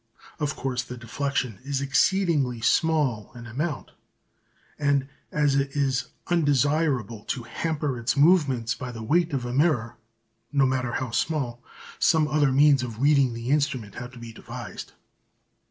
Of course the deflection is exceedingly small in amount, and as it is undesirable to hamper its movements by the weight of a mirror, no matter how small, some other means of reading the instrument had to be devised.